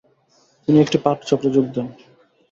তিনি একটি পাঠচক্রে যোগ দেন।